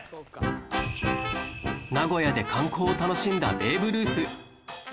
名古屋で観光を楽しんだベーブ・ルース